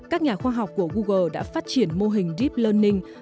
các nhà khoa học của google đã phát triển mô hình deep learning